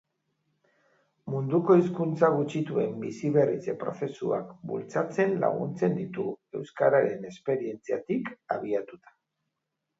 Munduko hizkuntza gutxituen biziberritze prozesuak bultzatzen laguntzen ditu, euskararen esperientziatik abiatuta.